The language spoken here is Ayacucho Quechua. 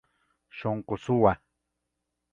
Sonqo suwa.